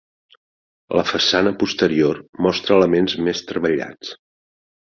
La façana posterior mostra elements més treballats.